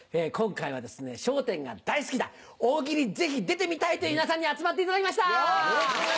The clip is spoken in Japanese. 今回は「『笑点』が大好きだ大喜利ぜひ出てみたい」という皆さんに集まっていただきました！